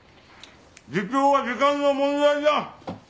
自供は時間の問題だ！